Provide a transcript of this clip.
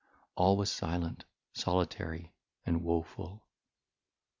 All was silent, solitary, and woful.